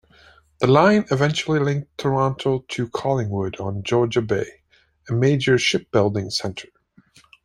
The line eventually linked Toronto to Collingwood on Georgian Bay, a major shipbuilding centre.